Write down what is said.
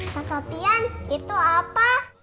pak sofyan itu apa